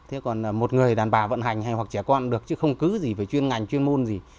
thế còn một người đàn bà vận hành hay hoặc trẻ con được chứ không cứ gì phải chuyên ngành chuyên môn gì